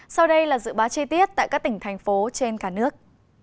sau đây là dự báo chi tiết tại các tỉnh thành phố trên cả nước